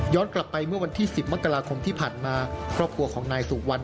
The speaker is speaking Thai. กลับไปเมื่อวันที่๑๐มกราคมที่ผ่านมาครอบครัวของนายสุวรรณ